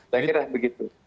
saya kira begitu